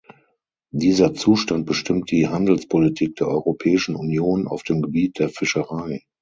Dieser Zustand bestimmt die Handelspolitik der Europäischen Union auf dem Gebiet der Fischerei.